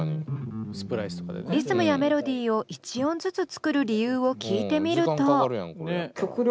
リズムやメロディーを一音ずつ作る理由を聞いてみると。